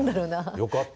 よかった。